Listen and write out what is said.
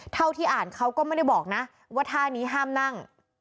เท่าที่อ่านเขาก็ไม่ได้บอกนะว่าท่านี้ห้ามนั่ง